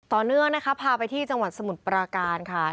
ต่อเนื่องนะคะพาไปที่จังหวัดสมุทรปราการค่ะ